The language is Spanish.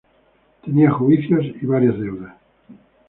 Tenía juicios y varias deudas.